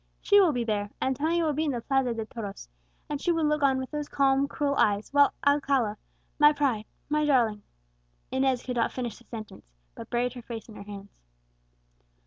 She will be there Antonia will be in the Plaza de Toros, and she will look on with those calm, cruel eyes, whilst Alcala, my pride my darling," Inez could not finish the sentence, but buried her face in her hands.